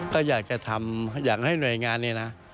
ก็อยากจะทำอยากให้หน่วยงานนี้นะ